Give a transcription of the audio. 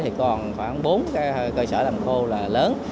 thì còn khoảng bốn cơ sở làm khô là lớn